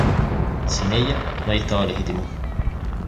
Sin ella, no hay Estado legítimo.